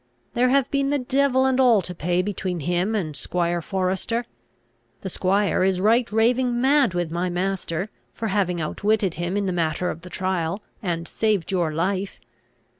There have been the devil and all to pay between him and squire Forester. The squire is right raving mad with my master, for having outwitted him in the matter of the trial, and saved your life.